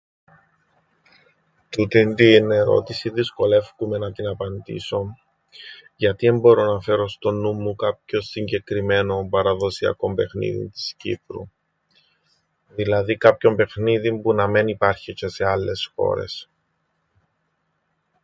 Τούτην την ερώτησην δυσκολεύκουμαι να την απαντήσω γιατί εν μπορώ να φέρω στον νουν μου κάποιον συγκεκριμένον παραδοσιακόν παιχνίδιν της Κύπρου, δηλαδή κάποιον παιχνίδιν που να μεν υπάρχει τζ̆αι σε άλλες χώρες.